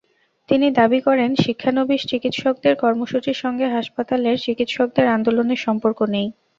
তিনি দাবি করেন, শিক্ষানবিশ চিকিৎসকদের কর্মসূচির সঙ্গে হাসপাতালের চিকিৎসকদের আন্দোলনের সম্পর্ক নেই।